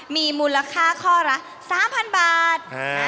มีมูลค่าข้อละ๓๐๐๐บาท